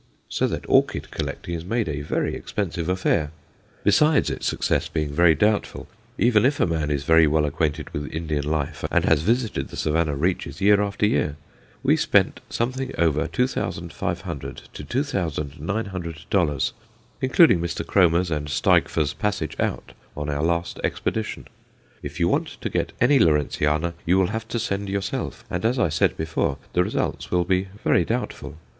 So that orchid collecting is made a very expensive affair. Besides its success being very doubtful, even if a man is very well acquainted with Indian life and has visited the Savannah reaches year after year. We spent something over $2500 to $2900, including Mr. Kromer's and Steigfer's passage out, on our last expedition. If you want to get any Lawrenceana, you will have to send yourself, and as I said before, the results will be very doubtful.